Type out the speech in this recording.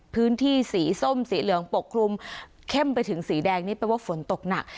พื้นที่สีส้มสีเหลืองปกคลุมเข้มไปถึงสีแดงนี่แปลว่าฝนตกหนัก